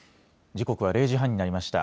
時刻は０時半になりました。